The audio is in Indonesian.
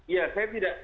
iya saya tidak